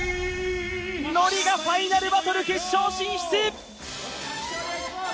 Ｎｏｒｉがファイナルバトル決勝進出！